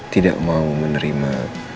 tidak mau menerima